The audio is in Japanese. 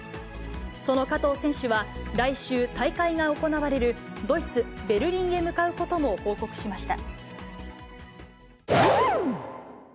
その加藤選手は来週、大会が行われるドイツ・ベルリンへ向かうことも報告しました。